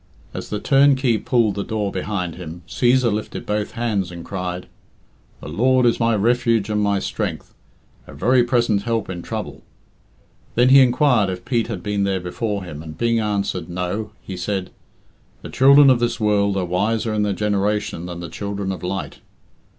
As the turnkey pulled the door behind him, Cæsar lifted both hands and cried, "The Lord is my refuge and my strength; a very present help in trouble." Then he inquired if Pete had been there before him, and being answered "No," he said, "The children of this world are wiser in their generation than the children of light."